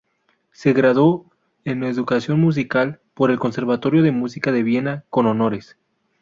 Se graduó en educación musical por el conservatorio de música de Viena con honores.